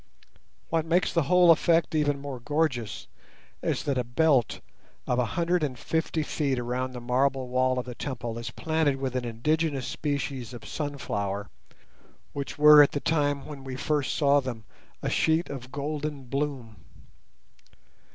What makes the whole effect even more gorgeous is that a belt of a hundred and fifty feet around the marble wall of the temple is planted with an indigenous species of sunflower, which were at the time when we first saw them a sheet of golden bloom.